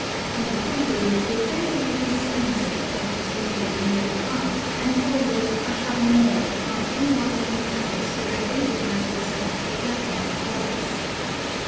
On the contrary, they generally disown such claims when made in their behalf, and fall with acharnement upon any one of themselves who identifies herself with their common cause.